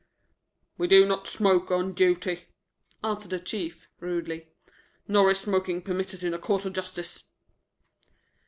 "We do not smoke on duty," answered the Chief, rudely. "Nor is smoking permitted in a court of justice."